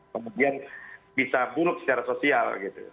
kemudian bisa buruk secara sosial gitu